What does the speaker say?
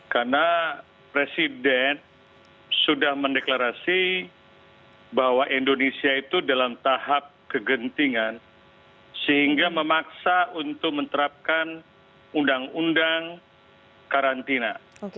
karena presiden sudah mendeklarasi bahwa indonesia itu dalam tahap kegentingan sehingga memaksa untuk menerapkan undang undang karantina